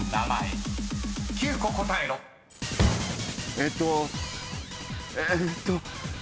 えっとえーっと。